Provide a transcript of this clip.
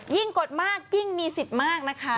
กดมากยิ่งมีสิทธิ์มากนะคะ